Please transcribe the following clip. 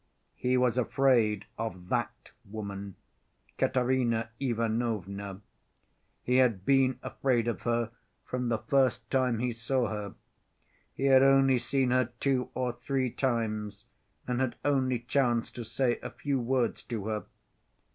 He was afraid of that woman, Katerina Ivanovna. He had been afraid of her from the first time he saw her. He had only seen her two or three times, and had only chanced to say a few words to her.